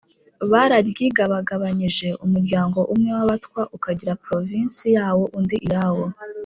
bararyigabagabanyije, umuryango umwe w’abatwa ukagira provinsi yawo, undi iyabo.